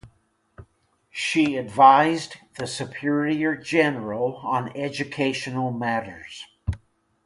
She advised the superior general on educational matters.